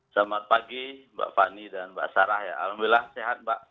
selamat pagi mbak fani dan mbak sarah ya alhamdulillah sehat mbak